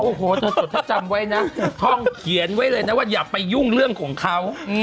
โอ้โหถ้าจำไว้นะท่องเขียนไว้เลยนะว่าอย่าไปยุ่งเรื่องของเขา